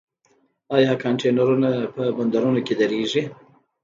آیا کانټینرونه په بندرونو کې دریږي؟